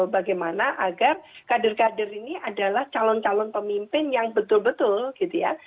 bagaimana agar kader kader ini adalah calon calon pemimpin yang betul betul gitu ya